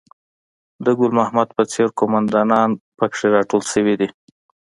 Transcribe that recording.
د ګل محمد په څېر قوماندانان په کې راټول شوي دي.